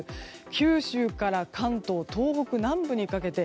九州から関東、東北南部にかけて。